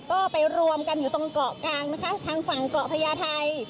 ก็ไปรวมกันอยู่ตรงเกาะกลางนะคะทางฝั่งเกาะพญาไทย